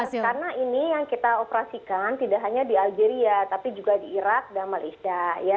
karena ini yang kita operasikan tidak hanya di algeria tapi juga di irak dan malaysia